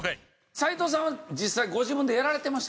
斉藤さんは実際ご自分でやられてました？